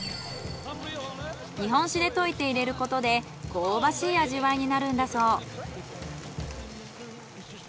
日本酒で溶いて入れることで香ばしい味わいになるんだそう。